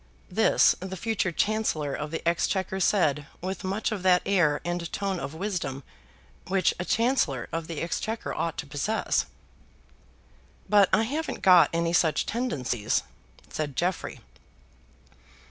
This the future Chancellor of the Exchequer said with much of that air and tone of wisdom which a Chancellor of the Exchequer ought to possess. "But I haven't got any such tendencies," said Jeffrey.